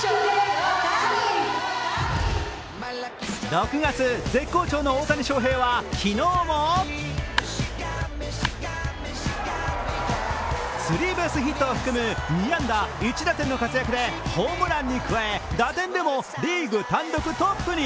６月、絶好調の大谷翔平は昨日もスリーベースヒットを含む２安打１打点の活躍で、ホームランに加え打点でもリーグ単独トップに。